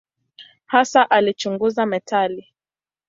Hasa alichunguza metali.